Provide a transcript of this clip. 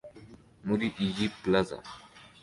Muri iyi plaza